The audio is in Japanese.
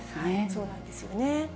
そうなんですよね。